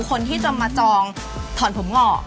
คนที่จะมาจองถอนผมงอก